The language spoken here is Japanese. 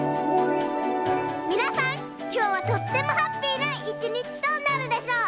みなさんきょうはとってもハッピーないちにちとなるでしょう！